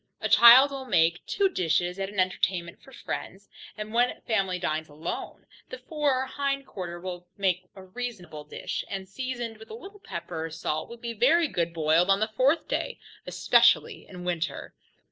A child will make two dishes at an entertainment for friends, and when the family dines alone, the fore or hind quarter will make a reasonable dish, and seasoned with a little pepper or salt, will be very good boiled on the fourth day, especially in winter.